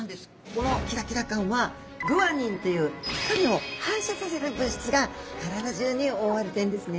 このキラキラ感はグアニンという光を反射させる物質が体中に覆われてるんですね。